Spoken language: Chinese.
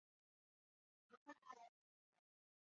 尾巴占总长度的三分之一或四分之一。